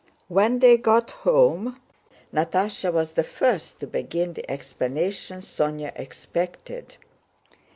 When they got home Natásha was the first to begin the explanation Sónya expected.